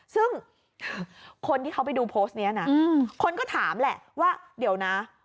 ซึ่งคนที่เขาไปดูโพสต์นี้นะคนก็ถามแหละว่าเดี๋ยวนะ